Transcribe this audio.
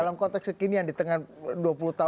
dalam konteks kekinian di tengah dua puluh tahun